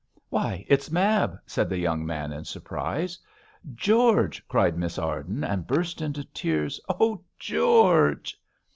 'Why, it's Mab!' said the young man, in surprise. 'George!' cried Miss Arden, and burst into tears. 'Oh, George!'